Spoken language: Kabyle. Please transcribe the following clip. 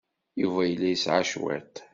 Yuba yella yesɛa cwiṭ.